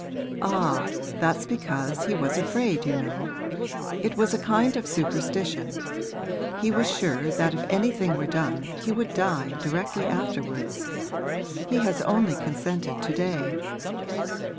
'Ah, that's because he was afraid, you know; it was a kind of superstition. He was sure that if anything were done he would die directly afterwards. He has only consented to day.'